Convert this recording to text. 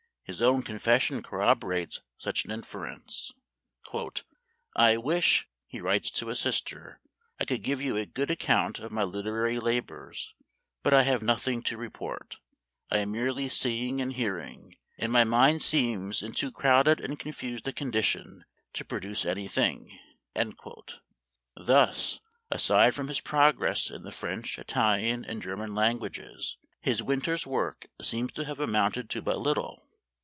His own confession corroborates such an inference. " I wish," he writes to a sister, " I could give you a good account of my literary labors ; but I have noth ing to report. I am merely seeing and hearing, and my mind seems in too crowded and con fused a condition to produce any thing." Thus, aside from his progress in the French, Italian, and German languages, his winter's work seems to have amounted to but little.